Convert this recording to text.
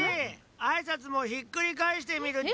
あいさつもひっくり返してみるっち。